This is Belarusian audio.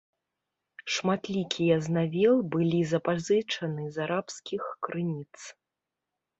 Шматлікія з навел былі запазычаны з арабскіх крыніц.